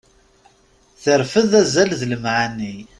Terfed azal d lemɛani.